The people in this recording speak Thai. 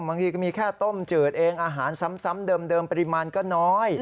บางทีก็มีแค่ต้มจืดเองอาหารซ้ำเดิมปริมาณก็น้อย